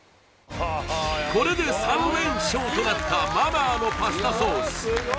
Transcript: これで３連勝となったマ・マーのパスタソース